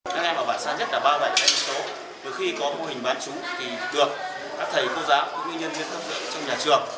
các em ở bản xã nhất là ba mươi bảy em số từ khi có mô hình bán chú thì được các thầy cô giáo cũng như nhân viên thấp lượng trong nhà trường